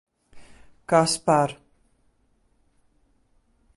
Kas par...